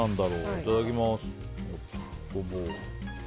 いただきます。